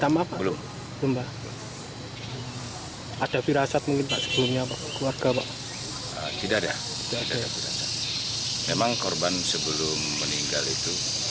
memang korban sebelum meninggal itu